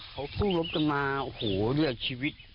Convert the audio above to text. เขาพูดลงจำมาโอ้โฮเรื่องชีวิต